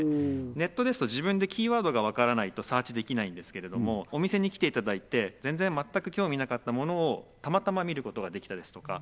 ネットですと自分でキーワードがわからないとサーチできないんですけれどもお店に来ていただいて全然全く興味なかったものをたまたま見ることができたですとか